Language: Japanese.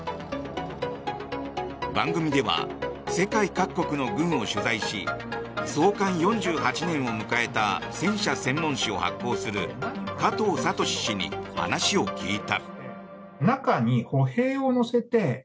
番組では、世界各国の軍を取材し創刊４８年を迎えた戦車専門誌を発行する加藤聡氏に話を聞いた。